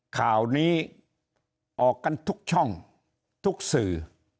ข่าวนี้ออกกันทุกช่องทุกสื่อ